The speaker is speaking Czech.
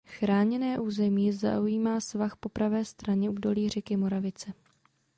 Chráněné území zaujímá svah po pravé straně údolí řeky Moravice.